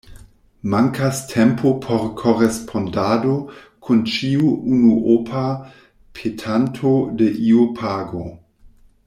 Mankas tempo por korespondado kun ĉiu unuopa petanto de iu pago.